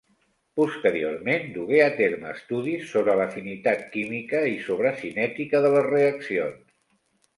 Posteriorment dugué a terme estudis sobre l'afinitat química i sobre cinètica de les reaccions.